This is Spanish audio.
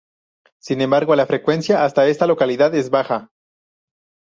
Sin embargo la frecuencia hasta esta localidad es baja.